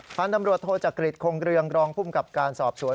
ผ่านดำรวจโทจกฤทธิ์คงเรืองรองพุ่มกับการสอบสวน